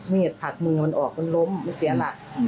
ผลักมือมันออกมันล้มมันเสียหลัก